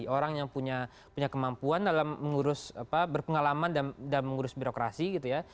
orang yang punya kemampuan dalam mengurus berpengalaman dan mengurus birokrasi gitu ya